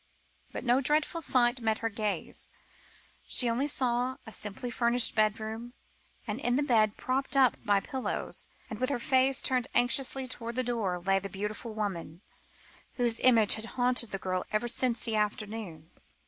But no dreadful sight met her gaze. She saw only a simply furnished bedroom, and in the bed, propped up by pillows, and with her face turned anxiously towards the door, lay the beautiful woman, whose image had haunted the girl ever since the afternoon.